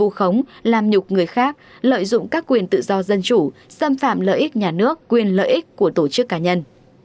vu khống làm nhục người khác lợi dụng các quyền tự do dân chủ xâm phạm lợi ích nhà nước quyền lợi ích của tổ chức cá nhân